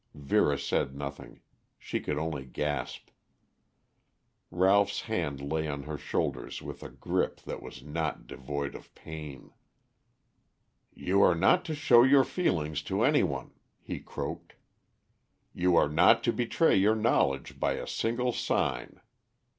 Vera said nothing. She could only gasp. Ralph's hand lay on her shoulder with a grip that was not devoid of pain. "You are not to show your feelings to any one," he croaked. "You are not to betray your knowledge by a single sign.